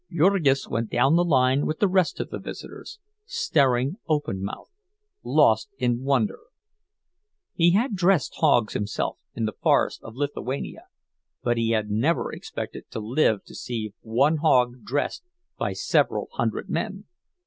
Jurgis went down the line with the rest of the visitors, staring open mouthed, lost in wonder. He had dressed hogs himself in the forest of Lithuania; but he had never expected to live to see one hog dressed by several hundred men.